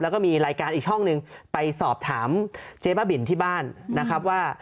แล้วก็มีรายการอีกช่องหนึ่งไปสอบถามเจ๊บ้าบินที่บ้านนะครับว่า